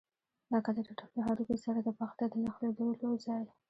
لکه د ټټر له هډوکي سره د پښتۍ د نښلېدلو ځای.